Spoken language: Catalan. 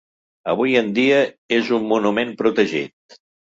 Avui en dia és un monument protegit.